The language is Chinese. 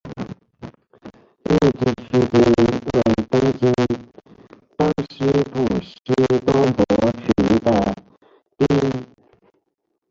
日之出町为东京都西部西多摩郡的町。